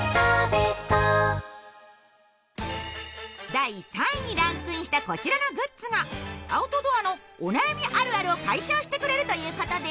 第３位にランクインしたこちらのグッズがアウトドアのお悩みあるあるを解消してくれるということで。